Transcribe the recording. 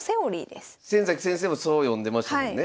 先崎先生もそう読んでましたもんね。